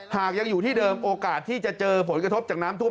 หากยังอยู่ที่เดิมโอกาสที่จะเจอผลกระทบจากน้ำท่วม